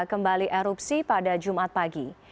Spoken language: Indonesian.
kembali erupsi pada jumat pagi